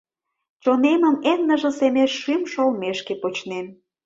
Чонемым эн ныжыл семеш шӱм шелмешке почнем.